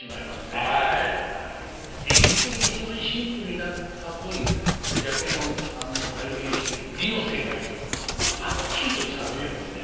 演出的に非常にシンプルになった分雀右衛門さんの体現している美の世界というものははっきりと伝わってまいりますね。